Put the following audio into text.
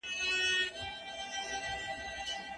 موږ باید اوږده ډوډۍ ماڼۍ ته په وړلو کي احتیاط وکړو.